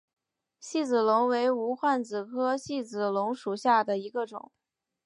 细子龙为无患子科细子龙属下的一个种。